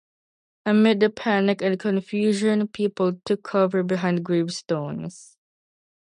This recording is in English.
Amid the panic and confusion, people took cover behind gravestones.